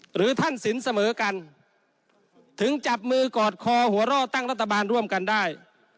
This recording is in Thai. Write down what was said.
หรือท่านสินเสมอกันถึงจับมือกอดคอหัวร่อตั้งรัฐบาลร่วมกันได้